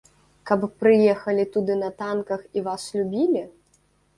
Каб прыехалі туды на танках і вас любілі?